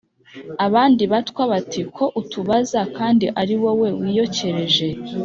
abandi batwa bati: «ko utubaza kandi ari wowe wiyokereje,